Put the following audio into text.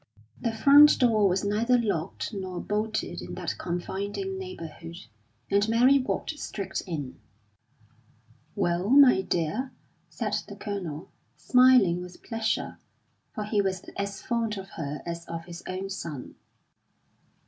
The front door was neither locked nor bolted in that confiding neighbourhood, and Mary walked straight in. "Well, my dear?" said the Colonel, smiling with pleasure, for he was as fond of her as of his own son.